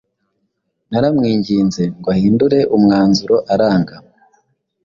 Naramwinginze ngo ahindure umwanzuro aranga.